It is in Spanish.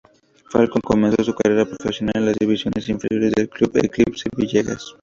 Falcón comenzó su carrera profesional en las divisiones inferiores del Club Eclipse Villegas.